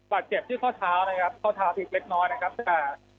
บาดเจ็บที่ข้อเท้านะครับข้อเท้าผิดเล็กน้อยนะครับอ่า